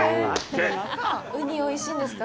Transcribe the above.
ウニ、おいしいんですか？